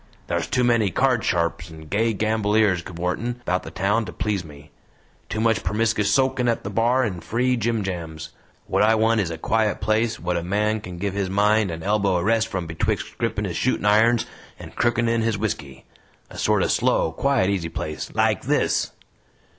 Thar's too many card sharps and gay gamboliers cavortin' about the town to please me. Too much permiskus soakin' at the bar and free jimjams. What I want is a quiet place what a man kin give his mind and elbow a rest from betwixt grippin' his shootin' irons and crookin' in his whisky. A sort o' slow, quiet, easy place LIKE THIS."